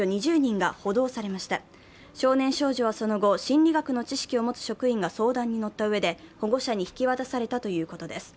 少年少女はその後、心理学の知識を持つ職員が相談に乗ったうえで保護者に引き渡されたということです。